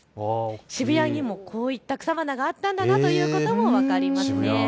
渋谷にもこういった草花があったんだなということが分かります。